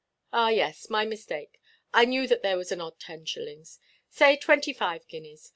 "Ah, yes, my mistake. I knew that there was an odd ten shillings. Say twenty–five guineas.